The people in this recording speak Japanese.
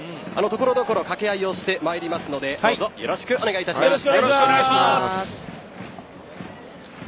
ところどころ掛け合いをしてまいりますのでどうぞよろしくお願いいたします。